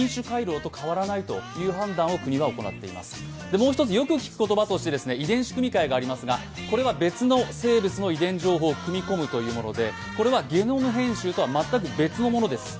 もう一つよく聞く言葉として遺伝子組み換えがありますが、これは別の生物の遺伝情報を組み込むというもので、これはゲノム編集とは全く別のものです。